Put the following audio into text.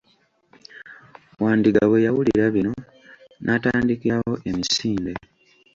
Wandiga bwe yawulira bino, n'atandikirawo emisinde.